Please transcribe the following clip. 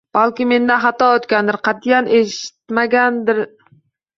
Balki mendan xato o`tgandir, qat`iyat etishmagandir